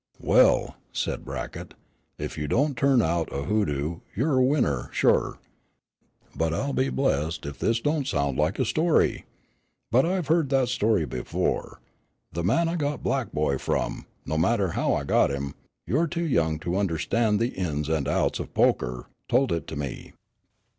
"Well," said Brackett, "if you don't turn out a hoodoo, you're a winner, sure. But I'll be blessed if this don't sound like a story! But I've heard that story before. The man I got Black Boy from, no matter how I got him, you're too young to understand the ins and outs of poker, told it to me."